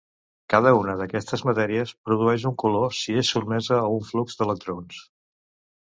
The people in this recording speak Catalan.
Cada una d'aquestes matèries produeix un color si és sotmesa a un flux d'electrons.